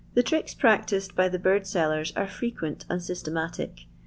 risks practised by the bird sellers are frequent fstematic.